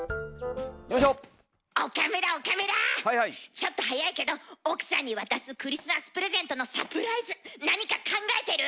ちょっと早いけど奥さんに渡すクリスマスプレゼントのサプライズ何か考えてる？